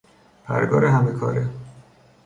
پرگار همه کاره